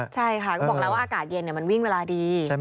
ใช่ค่ะก็บอกแล้วว่าอากาศเย็นมันวิ่งเวลาดี